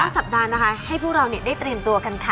สัปดาห์นะคะให้พวกเราได้เตรียมตัวกันค่ะ